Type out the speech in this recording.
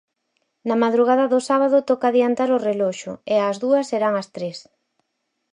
Na madrugada do sábado toca adiantar o reloxo, e ás dúas serán as tres.